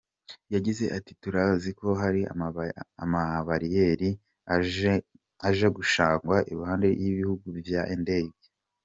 Yagize ati: "Turazi ko hari amabariyeri aja gushingwa iruhande y'ibibuga vy'indege.